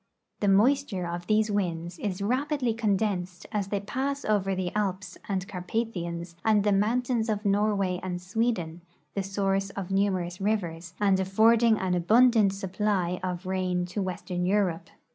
The moisture of these Avinds is rapidly condensed as they pass over the Alps and Carpathians and the mountains of Noiavay and SAveden, the source of numerous rivers, and affording an abundant supply of rain to Avestern Europe.